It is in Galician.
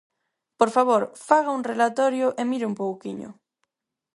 Por favor, faga un relatorio e mire un pouquiño.